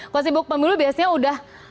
kalau sibuk pemilu biasanya udah